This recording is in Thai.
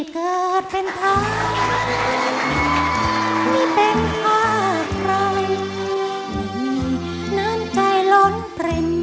ขอบคุณครับ